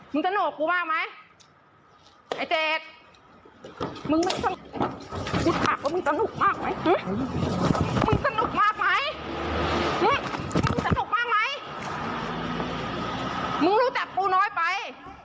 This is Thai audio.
มึงรู้จักปูน้อยไป